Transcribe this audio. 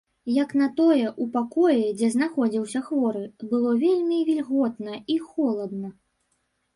Як на тое, у пакоі, дзе знаходзіўся хворы, было вельмі вільготна і холадна.